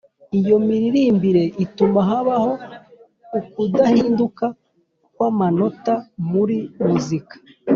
iyo miririmbire ituma habaho ukudahinduka kw’amanota muri muzika,